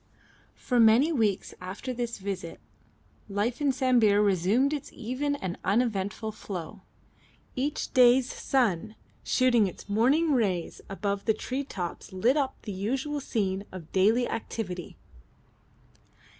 For many weeks after this visit life in Sambir resumed its even and uneventful flow. Each day's sun shooting its morning rays above the tree tops lit up the usual scene of daily activity.